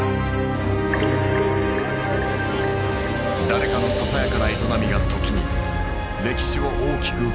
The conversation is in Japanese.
誰かのささやかな営みが時に歴史を大きく動かすことがある。